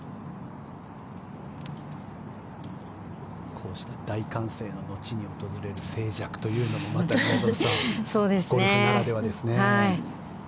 こうした大歓声の後に訪れる静寂というのも宮里さんゴルフならではですね。